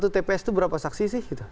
satu tps itu berapa saksi sih